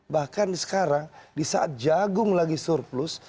bahkan sekarang disaat jagung lagi surplus